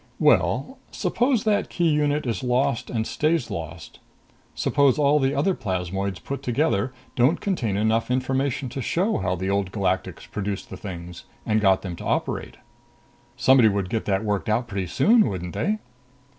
"Well, suppose that key unit is lost and stays lost. Suppose all the other plasmoids put together don't contain enough information to show how the Old Galactics produced the things and got them to operate." "Somebody would get that worked out pretty soon, wouldn't they?"